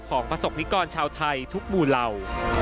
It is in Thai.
ของประสบกรณิกรชาวไทยทุกมู่เหล่า